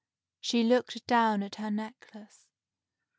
She looked down at her necklace.